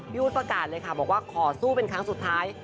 ประกาศเลยค่ะบอกว่าขอสู้เป็นครั้งสุดท้าย